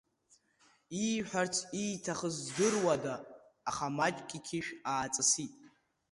Ииҳәарц ииҭахыз здыруада, аха маҷк иқьышә ааҵысит.